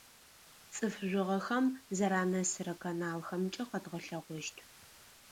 Цӏыф жъугъэхэм зэранэсырэ каналхэмкӏэ къэдгъэлъэгъощт.